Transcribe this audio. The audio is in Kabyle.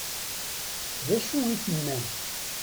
D acu i tennam?